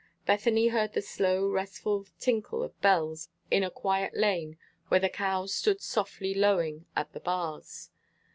Bethany heard the slow, restful tinkle of bells in a quiet lane where the cows stood softly lowing at the bars.